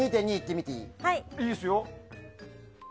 いいですよ。